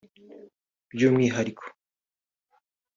by’umwihariko